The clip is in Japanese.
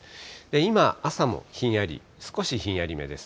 今、朝もひんやり、少しひんやりめです。